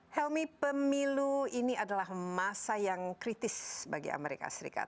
helmi pemilu ini adalah masa yang kritis bagi amerika serikat